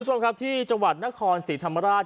คุณผู้ชมครับที่จังหวัดนครศรีธรรมราช